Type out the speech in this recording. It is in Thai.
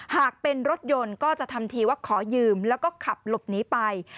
หากเป็นรถยนต์ก็จะทำทีว่าขอยืมแล้วก็ขับหลบหนีไป